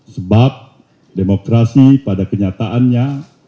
sebab demokrasi pada kenyataannya